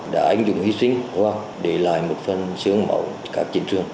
đã ánh dụng hy sinh hoặc để lại một phần sướng mẫu các chiến trường